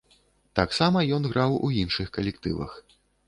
Таксама ён граў у іншых калектывах.